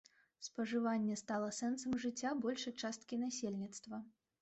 Спажыванне стала сэнсам жыцця большай часткі насельніцтва.